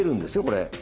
これ。